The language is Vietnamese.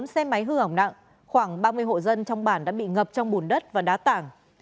bốn xe máy hư hỏng nặng khoảng ba mươi hộ dân trong bản đã bị ngập trong bùn đất và đá tảng